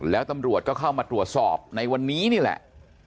แล้วตำรวจก็เข้ามาตรวจสอบในวันนี้นี่แหละ